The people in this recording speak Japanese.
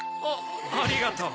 ありがとう。